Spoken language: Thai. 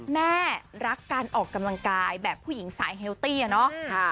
แม่รักการออกกำลังกายแบบผู้หญิงสายเฮลตี้อะเนาะ